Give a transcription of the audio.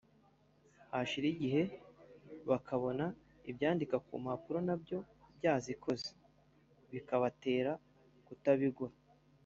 hashira igihe bakabona ibyandika ku mpapuro nabyo byazikoze bikabatera kutabigura